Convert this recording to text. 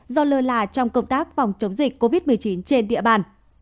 do lơ là trong công tác phòng chống dịch covid một mươi chín trên địa bàn